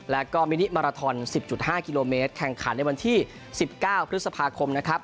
แล้วก็มินิมาราทอน๑๐๕กิโลเมตรแข่งขันในวันที่๑๙พฤษภาคมนะครับ